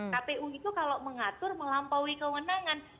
kpu itu kalau mengatur melampaui kewenangan